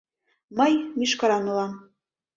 Мый мӱшкыран улам...